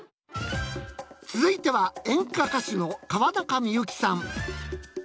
続いては演歌歌手の川中美幸さん。